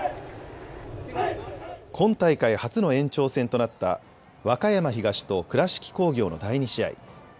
今大会初の延長戦となった和歌山東と倉敷工業の第２試合。